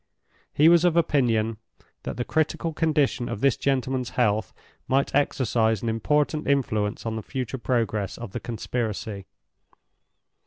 He was of opinion that the critical condition of this gentleman's health might exercise an important influence on the future progress of the conspiracy.